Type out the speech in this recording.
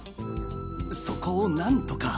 そこをなんとか。